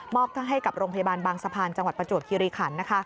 ให้กับโรงพยาบาลบางสะพานจังหวัดประจวบคิริขัน